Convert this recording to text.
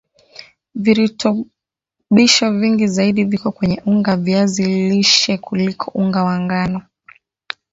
virutubisho vingi zaidi viko kwenye unga wa viazi lishe kuliko unga wa ngano